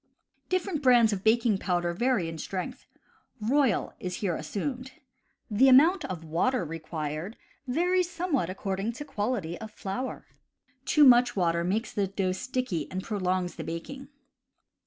Different brands of baking powder vary in strength; Royal is here assumed. The amount of water required varies somewhat according to quality of flour. Too much water makes the dough sticky and prolongs the baking.